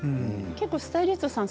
結構、スタイリストさん